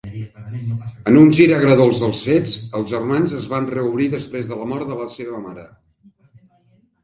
En un gir agredolç dels fets, els germans es van reobrir després de la mort de la seva mare.